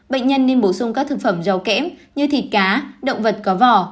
bệnh nhân nên bổ sung các thực phẩm rau kém như thịt cá động vật có vỏ